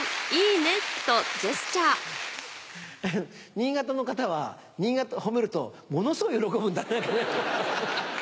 新潟の方は新潟を褒めるとものすごい喜ぶんだね。